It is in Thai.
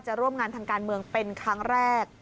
ร่วมงานทางการเมืองเป็นครั้งแรก